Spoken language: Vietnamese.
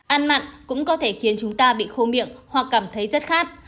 ăn mặn cũng có thể khiến chúng ta bị khô miệng hoặc cảm thấy rất khát